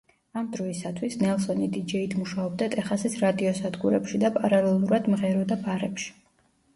ამ დროისათვის ნელსონი დიჯეიდ მუშაობდა ტეხასის რადიოსადგურებში და პარალელურად მღეროდა ბარებში.